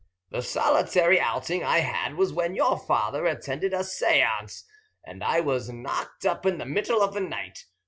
The solitary outing I had was when your father attended a séance, and I was knocked up in the middle of the night.